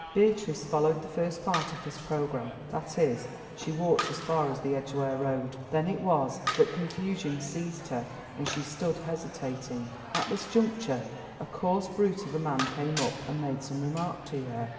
Beatrice followed the first part of this programme—that is, she walked as far as the Edgware Road. Then it was that confusion seized her and she stood hesitating. At this juncture, a coarse brute of a man came up and made some remark to her.